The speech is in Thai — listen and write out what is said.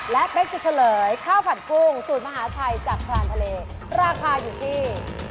และไปก็เหลือให้ข้าวผัดกุ้งสูตรมาหาชัยจากภาพราคาอยู่ที่